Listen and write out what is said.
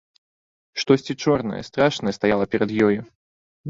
Штосьці чорнае, страшнае стаяла перад ёю.